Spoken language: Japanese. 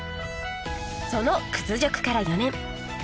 その屈辱から４年